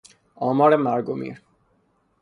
آمار مرگ و میر